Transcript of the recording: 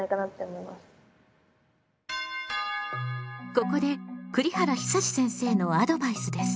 ここで栗原久先生のアドバイスです。